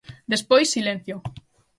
Despois, silencio.